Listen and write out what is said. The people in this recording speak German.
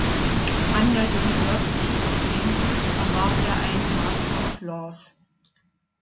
An der University of Cambridge erwarb er einen Master of Laws.